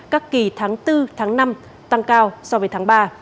các kỳ tháng bốn tháng năm tăng cao so với tháng ba